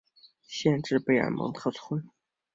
县治贝尔蒙特村。